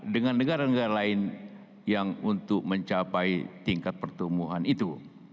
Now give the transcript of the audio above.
dengan negara negara lain yang untuk mencapai tingkat pertumbuhan itu